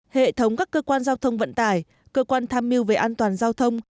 hệ thống các cơ quan giao thông vận tải cơ quan tham mưu về an toàn giao thông